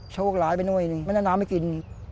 โชคหลายไปหน้วยไม่ได้น้ำให้กิน